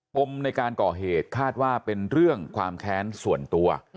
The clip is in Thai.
มในการก่อเหตุคาดว่าเป็นเรื่องความแค้นส่วนตัว